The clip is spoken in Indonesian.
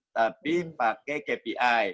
tapi pakai kpi